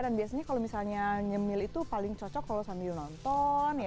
dan biasanya kalau misalnya nyemil itu paling cocok kalau sambil nonton ya